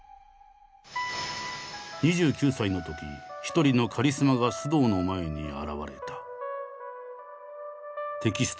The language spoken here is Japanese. ２９歳のとき一人のカリスマが須藤の前に現れた。